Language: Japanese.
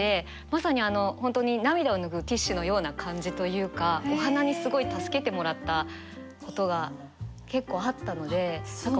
まさに本当に涙を拭うティッシュのような感じというかお花にすごい助けてもらったことが結構あったので何か分かるなみたいな。